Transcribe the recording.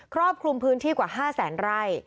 รอบคลุมพื้นที่กว่า๕แสนไร่